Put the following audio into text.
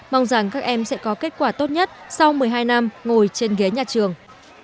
mong rằng các em sẽ có kết quả tốt nhất sau một mươi hai năm ngồi trên ghế nhà trường